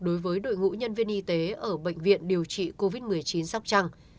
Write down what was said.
đối với đội ngũ nhân viên y tế ở bệnh viện điều trị covid một mươi chín sóc trăng